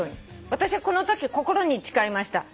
「私はこのとき心に誓いました」